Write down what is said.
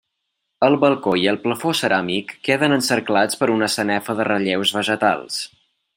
El balcó i el plafó ceràmic queden encerclats per una sanefa de relleus vegetals.